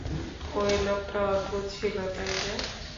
ওই লোকটা অদ্ভুত ছিল, তাই না?